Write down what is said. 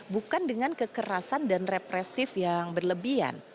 bukan dengan kekerasan dan represif yang berlebihan